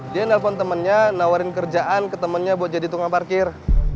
dia nelfon temennya nawarin kerjaan ke temennya buat jadi tukang parkir